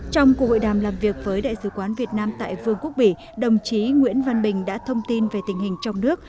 trong cuộc hội đàm làm việc với đại sứ quán việt nam tại vương quốc bỉ đồng chí nguyễn văn bình đã thông tin về tình hình trong nước